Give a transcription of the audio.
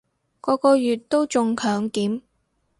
個個月都中強檢